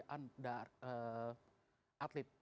sistem untuk permajaan atlet